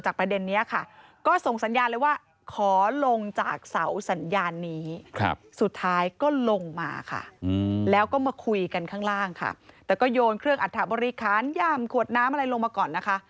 แต่ก็โยนเครื่องอรรถบริคารยามขวดน้ำลงมาก่อน